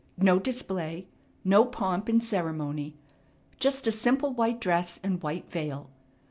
No display, no pomp and ceremony. Just a simple white dress and white veil.